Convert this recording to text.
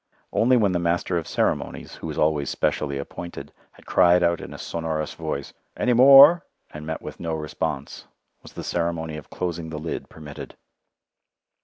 Only when the master of ceremonies, who is always specially appointed, had cried out in a sonorous voice, "Any more?" and met with no response, was the ceremony of closing the lid permitted.